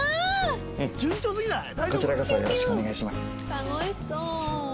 楽しそう。